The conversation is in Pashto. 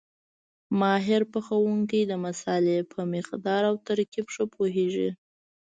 ماهر پخوونکی د مسالې په مقدار او ترکیب ښه پوهېږي.